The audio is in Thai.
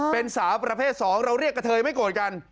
เป็นสาวประเภท๒เราเรียกกระเทยไม่โกรธกัน